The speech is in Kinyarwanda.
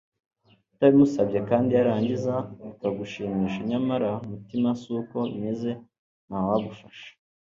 utabimusabye, kandi yarangiza bikagushimisha ; nyamara umutima si uko bimeze, ntawagufasha